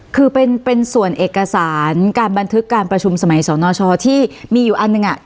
คือเป็นส่วนเอกสารการบันทึกการประชุมสมัยสนชที่มีอยู่อันหนึ่ง